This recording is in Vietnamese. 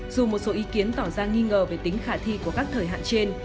dù một số ý kiến tỏ ra nghi ngờ về tính khả thi của các thời hạn trên